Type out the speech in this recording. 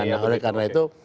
ya oleh karena itu